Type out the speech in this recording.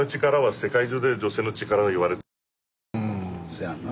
せやな。